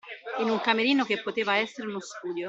In un camerino che poteva essere uno studio